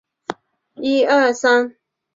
普纳凯基边上。